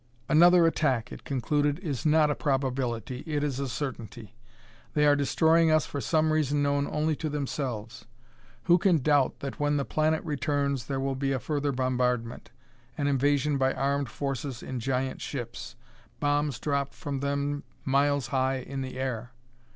"Another attack," it concluded, "is not a probability it is a certainty. They are destroying us for some reason known only to themselves. Who can doubt that when the planet returns there will be a further bombardment; an invasion by armed forces in giant ships; bombs dropped from them miles high in the air.